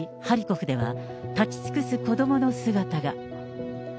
ハリコフでは、立ち尽くす子どもの姿が。